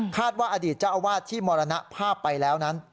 ว่าอดีตเจ้าอาวาสที่มรณภาพไปแล้วนั้น